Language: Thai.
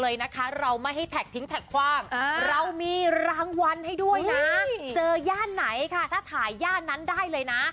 ย่านไหนคะถ้าถ่ายย่านนั้นได้เลยนะ